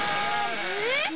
えっ！